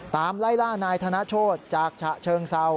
ไล่ล่านายธนโชธจากฉะเชิงเซา